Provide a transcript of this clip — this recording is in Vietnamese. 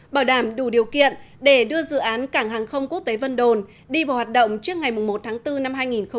bảo đảm đủ điều kiện để đưa dự án cảng hàng không quốc tế vân đồn đi vào hoạt động trước ngày một tháng bốn năm hai nghìn hai mươi